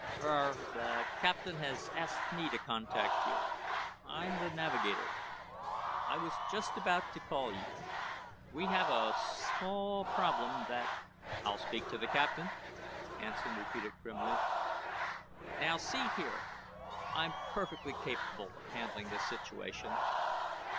"Er the Captain has asked me to contact you. I'm the navigator. I was just about to call you. We have a small problem that " "I'll speak to the Captain," Hansen repeated grimly. "Now see here. I'm perfectly capable of handling this situation.